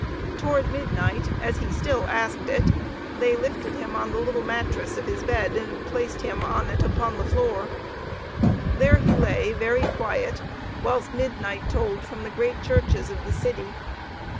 Toward midnight, as he still asked it, they lifted him on the little mattress of his bed and placed him on it upon the floor. There he lay, very quiet, whilst midnight tolled from the great churches of the city.